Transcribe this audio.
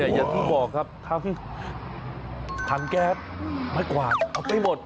อย่างที่บอกครับทั้งถังแก๊สไม้กวาดเอาไปหมด